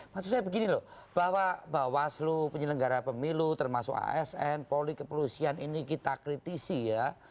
maksud saya begini loh bahwa bawaslu penyelenggara pemilu termasuk asn polri kepolisian ini kita kritisi ya